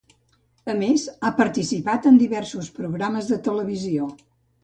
A més, ha participat en diversos programes de televisió.